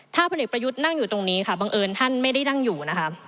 ถ้าพลเอกประยุทธ์นั่งอยู่ตรงนี้ค่ะบังเอิญท่านไม่ได้นั่งอยู่นะคะ